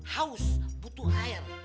haus butuh air